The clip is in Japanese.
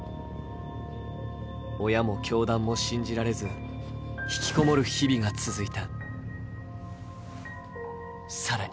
親も教団も信じられず引き籠もる日々が続いた。